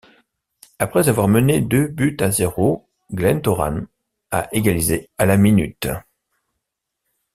Après avoir mené deux buts à zéro; Glentoran a égalisé à la minute.